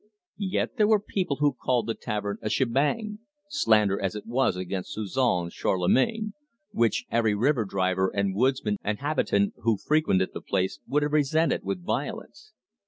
Yet there were people who called the tavern a "shebang" slander as it was against Suzon Charlemagne, which every river driver and woodsman and habitant who frequented the place would have resented with violence.